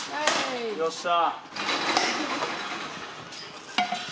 よっしゃ！